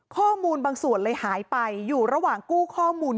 ก็เลยหายไปอยู่ระหว่างกู้ข้อมูล